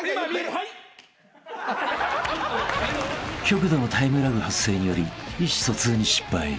［極度のタイムラグ発生により意思疎通に失敗］